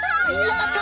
やった！